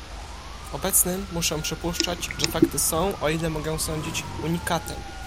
"W obecnym muszę przypuszczać, że fakty są, o ile mogę sądzić, unikatem."